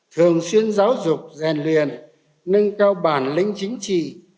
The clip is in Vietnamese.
thường xuyên giáo dục rèn luyện nâng cao bản lĩnh chính trị